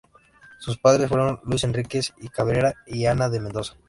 Sus padres fueron Luis Enríquez de Cabrera y Ana de Mendoza.